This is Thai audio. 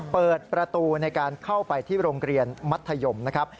เปิดประตูในการเข้าไปที่โรงเรียนมัธยมนะครับ